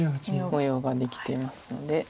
模様ができていますので。